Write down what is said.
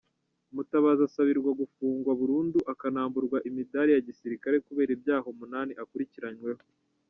Mutabazi asabirwa gufungwa burundu akanamburwa imidali ya gisirikare kubera ibyaha umunani akurikiranweho.